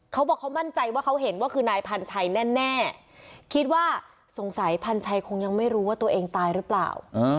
เขาบอกเขามั่นใจว่าเขาเห็นว่าคือนายพันชัยแน่คิดว่าสงสัยพันชัยคงยังไม่รู้ว่าตัวเองตายหรือเปล่า